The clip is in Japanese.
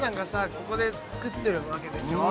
ここで作ってるわけでしょ